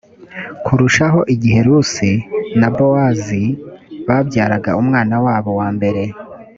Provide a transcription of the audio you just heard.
kurushaho igihe rusi na bowazi babyaraga umwana wabo wa mbere